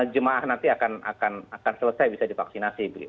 jemaah nanti akan selesai bisa divaksinasi